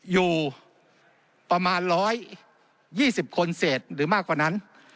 อยู่ประมาณ๑๒๐คนเศษหรือมากกว่านั้น